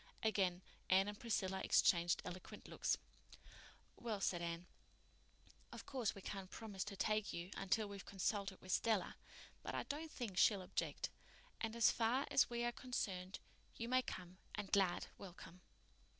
Again Anne and Priscilla exchanged eloquent looks. "Well," said Anne, "of course we can't promise to take you until we've consulted with Stella; but I don't think she'll object, and, as far as we are concerned, you may come and glad welcome."